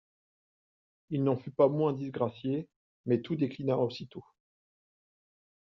Il n'en fut pas moins disgracié; mais tout déclina aussitôt.